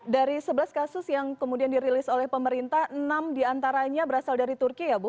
dari sebelas kasus yang kemudian dirilis oleh pemerintah enam diantaranya berasal dari turki ya bu